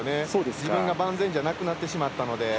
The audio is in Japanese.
自分が万全じゃなくなってしまったので。